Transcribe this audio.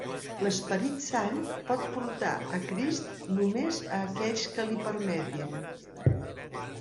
L'Esperit Sant pot portar a Crist només a aquells que l'hi permetin.